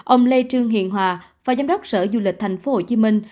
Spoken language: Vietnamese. ông lê trương hiện hòa phà giám đốc sở du lịch thành phố hồ chí minh